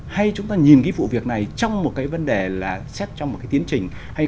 hay chúng ta nhìn cái vụ việc này trong một cái vấn đề là xét trong một cái tiến trình hay